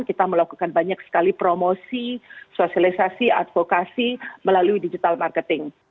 kita melakukan banyak sekali promosi sosialisasi advokasi melalui digital marketing